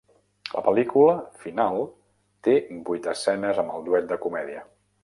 La pel·lícula final té vuit escenes amb el duet de comèdia.